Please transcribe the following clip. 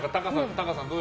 タカさん。